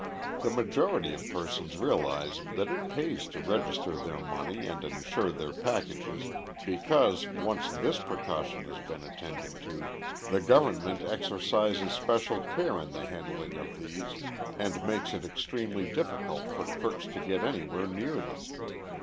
The majority of persons realize that it pays to register their money and insure their packages because, once this precaution has been attended to, the government exercises special care in the handling of these and makes it extremely difficult for crooks to get anywhere near them.